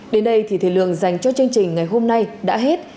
đến đây thì thời lượng dành cho chương trình ngày hôm nay đã hết